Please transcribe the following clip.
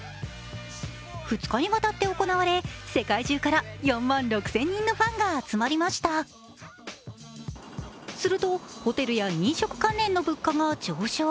２日にわたって行われ、世界中から４万６０００人のファンが集まりましたすると、ホテルや飲食関連の物価が上昇。